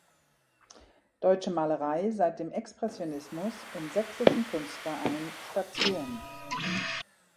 Deutsche Malerei seit dem Expressionismus im Sächsischen Kunstverein Station.